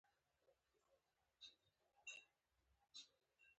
کیسه ستا د بقا ده، که سبا ده او که نن